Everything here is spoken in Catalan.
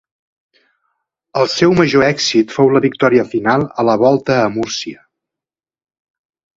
El seu major èxit fou la victòria final a la Volta a Múrcia.